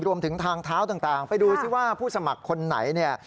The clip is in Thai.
รวมถึงทางเท้าต่างไปดูซิว่าผู้สมัครคนไหนเนี่ย